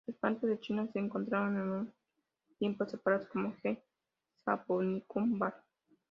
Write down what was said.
Las plantas de China se encontraron en un tiempo separadas como "C. japonicum var.